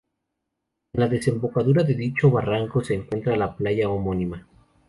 En la desembocadura de dicho barranco se encuentra la playa homónima.